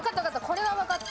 これは分かった。